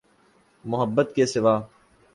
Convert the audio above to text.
محبت کے سوا۔